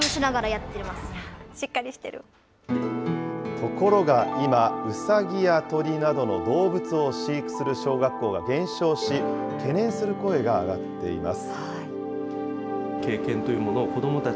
ところが今、ウサギや鳥などの動物を飼育する小学校が減少し、懸念する声が上がっています。